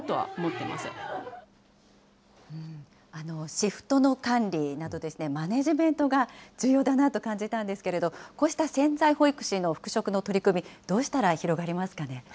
シフトの管理など、マネジメントが重要だなと感じたんですけれど、こうした潜在保育士の復職の取り組み、どうしたら広がりますかね。